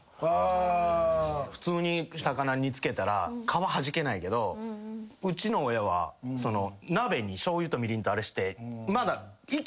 普通に魚煮付けたら皮はじけないけどうちの親は鍋にしょうゆとみりんとあれしてまだ。